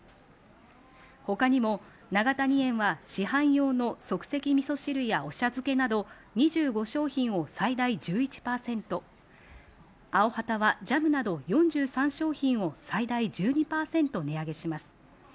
他にも永谷園は市販用の即席味噌汁やお茶漬けなど２５商品を最大１１％、アヲハタはジャムなど４３商品を最大１２％値上げします。